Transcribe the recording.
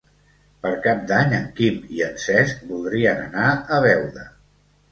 Per Cap d'Any en Quim i en Cesc voldrien anar a Beuda.